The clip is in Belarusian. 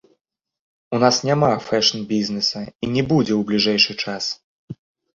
У нас няма фэшн-бізнэса і не будзе ў бліжэйшы час.